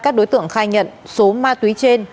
các đối tượng khai nhận số ma túy trên